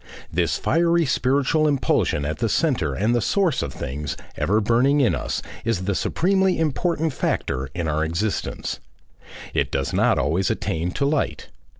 This fiery spiritual impulsion at the centre and the source of things, ever burning in us, is the supremely important factor in our existence. It does not always attain to light.